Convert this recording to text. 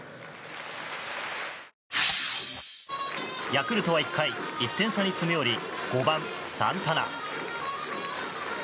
ヤクルトは１回１点差に詰め寄り５番、サンタナ。